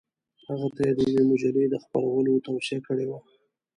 هغه ته یې د یوې مجلې د خپرولو توصیه کړې وه.